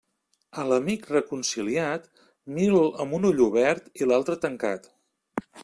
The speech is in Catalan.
A l'amic reconciliat, mira'l amb un ull obert i l'altre tancat.